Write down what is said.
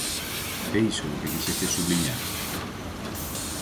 É iso o que quixeches subliñar?